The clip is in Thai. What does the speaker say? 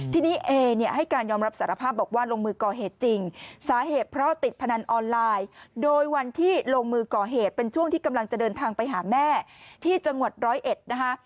ทีนี้เอเนี่ยให้การยอมรับสารภาพบอกว่าลงมือก่อเหตุจริงสาเหตุเพราะติดพนันออนไลน์โดยวันที่ลงมือก่อเหตุเป็นช่วงที่กำลังจะเดินทางไปหาแม่ที่จังหวัดร้อยเอ็ดนะคะ